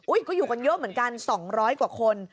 ก็อยู่กันเยอะเหมือนกัน๒๐๐กว่าคน